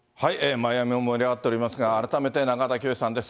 マイアミも盛り上がってますが、改めて中畑清さんです。